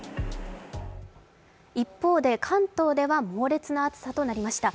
一方で関東では猛烈な暑さとなりました。